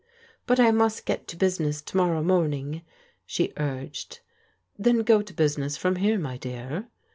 " But I must get to business to morrow morning," she urged. " Then go to business from here, my dear."